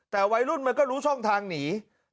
แต่วัยรุ่นมันก็รู้ช่องทางหนี